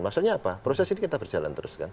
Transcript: maksudnya apa proses ini kita berjalan terus kan